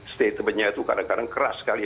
statementnya itu kadang kadang keras sekali